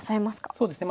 そうですね。